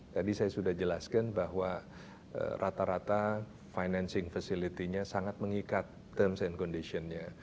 tadi saya sudah jelaskan bahwa rata rata financing facility nya sangat mengikat terms and conditionnya